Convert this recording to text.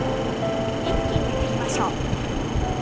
一気に抜きましょう。